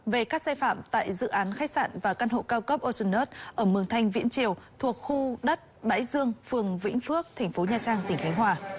về các xe phạm tại dự án khách sạn và căn hộ cao cấp ortonut ở mường thanh viễn triều thuộc khu đất bãi dương phường vĩnh phước tp nha trang tỉnh khánh hòa